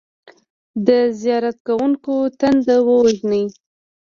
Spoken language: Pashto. د زیارت کوونکو تنده ووژني.